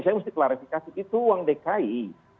saya mesti klarifikasi itu uang dki